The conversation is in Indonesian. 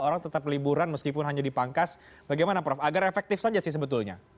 orang tetap liburan meskipun hanya dipangkas bagaimana prof agar efektif saja sih sebetulnya